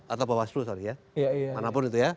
atau bawaslu sorry ya